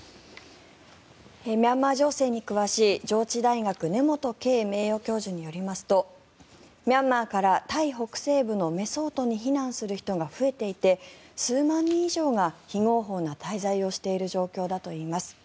ミャンマー情勢に詳しい上智大学根本敬名誉教授によりますとミャンマーから、タイ北西部のメソートに避難する人が増えていて数万人以上が非合法な滞在をしている状況だといいます。